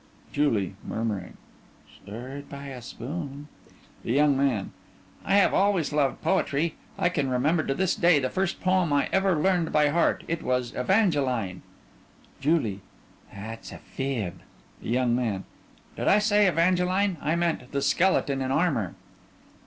JULIE: (Murmuring) Stirred by a spoon THE YOUNG MAN: I have always loved poetry. I can remember to this day the first poem I ever learned by heart. It was "Evangeline." JULIE: That's a fib. THE YOUNG MAN: Did I say "Evangeline"? I meant "The Skeleton in Armor."